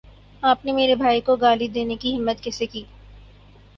آپ نے میرے بھائی کو گالی دینے کی ہمت کیسے کی